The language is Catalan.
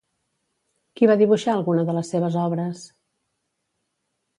Qui va dibuixar alguna de les seves obres?